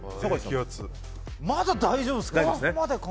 まだ大丈夫ですね。